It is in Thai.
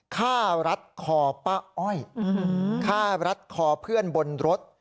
ฆ่ารัดคอป้าอ้อยฆ่ารัดคอเพื่อนบนรถ